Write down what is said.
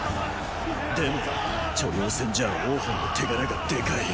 でも著雍戦じゃ王賁の手柄がでかい。